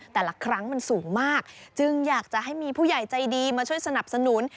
แต่ละครั้งมันสูงมากจึงอยากจะให้มีผู้ใหญ่ใจดีมาช่วยสนับสนุน